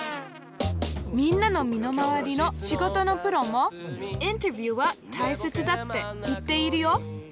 みんなの身の回りの仕事のプロもインタビューはたいせつだって言っているよ。